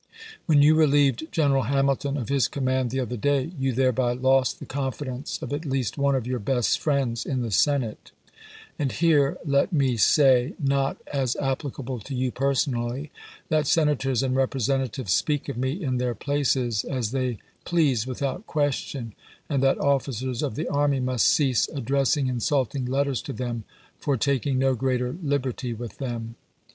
When you relieved General Hamilton of his command the other day, you thereby lost the confidence of at least one of your best friends in the Senate. And here let me 382 ABRAHAM LINCOLN Chap. XXI. say, not as applicable to you personally, that Senators and Representatives speak of me in theii* places as they please without question, and that officers of the Army must cease addressing insulting letters to them for taking no greater liberty with them.